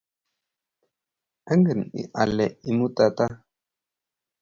Angen ale imutata